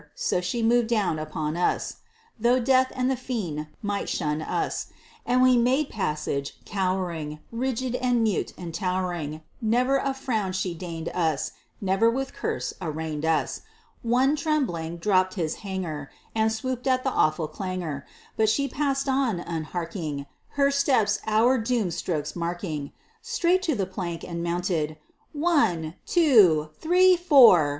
So she moved down upon us (Though Death and the Fiend might shun us), And we made passage, cowering. Rigid and mute and towering, Never a frown she deigned us, Never with curse arraigned us. One, trembling, dropped his hanger, And swooned at the awful clangor; But she passed on, unharking, Her steps our doom strokes marking, Straight to the plank, and mounted. "One, two, three, four!"